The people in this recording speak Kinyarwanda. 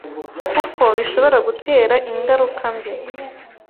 kuko bishobora gutera ingaruka mbi